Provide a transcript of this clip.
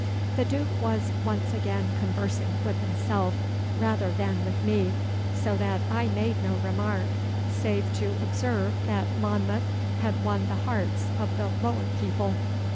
The Duke was once again conversing with himself rather than with me, so that I made no remark, save to observe that Monmouth had won the hearts of the lower people.